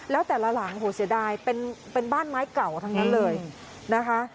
แล้วแต่ละหลังโหเสียดายเป็นบ้านไม้เก่าทั้งนั้นเลยนะคะ